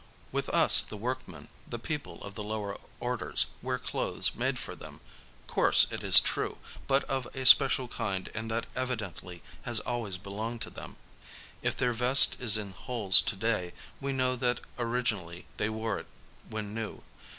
With us the workmen, the people of the lower orders, wear clothes made for them, coarse it is true, but of a special kind and that evidently has always belonged to them. If their vest is in holes to day, we know that origin ally they wore it when new.